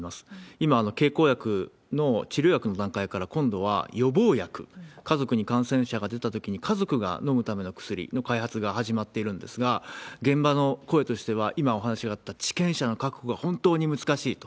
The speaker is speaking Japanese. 今、経口薬の治療薬の段階から、今度は予防薬、家族に感染者が出たときに、家族が飲むための薬の開発が始まっているんですが、現場の声としては、今、お話が合った治験者の確保が本当に難しいと。